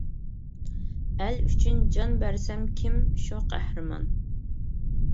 ئەل ئۈچۈن جان بەرسە كىم، شۇ قەھرىمان.